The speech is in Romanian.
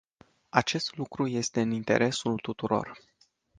Acest lucru este în interesul tuturor.